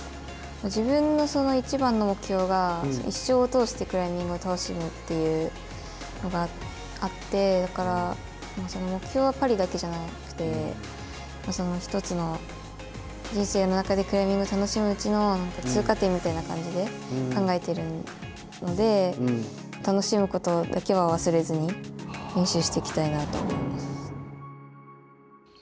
自分のいちばんの目標が、一生を通してクライミングを楽しむというのがあってだから、目標はパリだけじゃなくて、一つの人生の中でクライミングを楽しむうちの通過点みたいな感じで考えているので楽しむことだけは忘れずに練習していきたいなと思います。